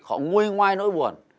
họ nguyên ngoài nỗi buồn